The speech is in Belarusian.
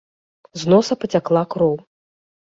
З носа пацякла кроў.